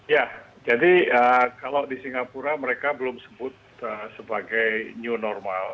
ya jadi kalau di singapura mereka belum sebut sebagai new normal